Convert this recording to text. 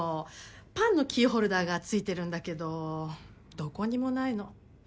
パンのキーホルダーが付いてるんだけどどこにもないの。